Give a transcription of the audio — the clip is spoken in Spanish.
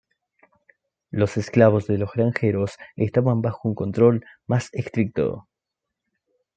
Los esclavos de los granjeros estaban bajo un control más estricto.